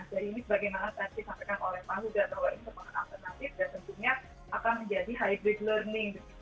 dan ini bagaimana tadi disampaikan oleh pak huda bahwa ini semangat alternatif dan tentunya akan menjadi hybrid learning